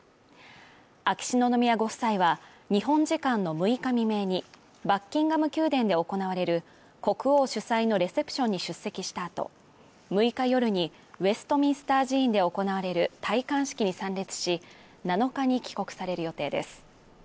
秋篠宮ご夫妻は日本時間の６日未明にバッキンガム宮殿で行われる国王主催のレセプションに出席した後、６日夜にウェストミンスター寺院で行われる戴冠式に参列し７日に帰国される予定です。